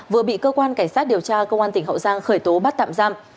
vừa bị cơ quan cảnh sát điều tra công an tỉnh hậu giang khởi tố bắt tạm giam